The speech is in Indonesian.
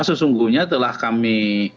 sesungguhnya telah kami